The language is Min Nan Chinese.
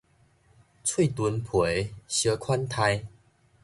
喙脣皮相款待